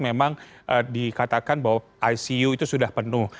memang dikatakan bahwa icu itu sudah penuh